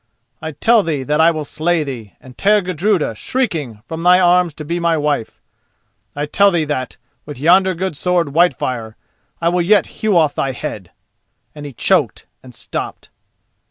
I tell thee that I will slay thee, and tear Gudruda, shrieking, from thy arms to be my wife! I tell thee that, with yonder good sword Whitefire, I will yet hew off thy head!"—and he choked and stopped.